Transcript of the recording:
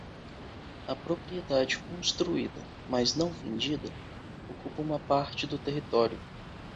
A propriedade construída, mas não vendida, ocupa uma parte do território.